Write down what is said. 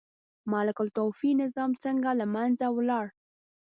ملوک الطوایفي نظام څنګه له منځه ولاړ؟